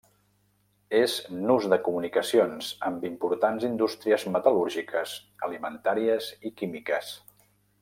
És nus de comunicacions, amb importants indústries metal·lúrgiques, alimentàries i químiques.